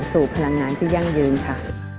พลังงานที่ยั่งยืนค่ะ